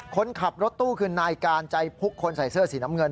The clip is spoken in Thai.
คนขับรถตู้คือนายการใจพุกคนใส่เสื้อสีน้ำเงิน